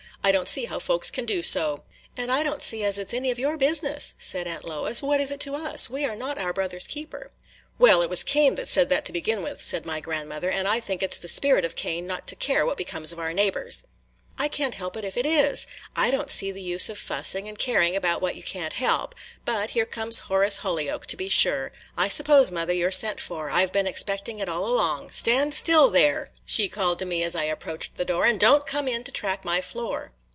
I don't see how folks can do so." "And I don't see as it 's any of our business," said Aunt Lois "What is it to us? We are not our brother's keeper." "Well, it was Cain that said that to begin with," said my grandmother; "and I think it 's the spirit of Cain not to care what becomes of our neighbors!" "I can't help it if it is. I don't see the use of fussing and caring about what you can't help. But there comes Horace Holyoke, to be sure. I suppose, mother, you 're sent for; I 've been expecting it all along. – Stand still there!" she called to me as I approached the door, "and don't come in to track my floor."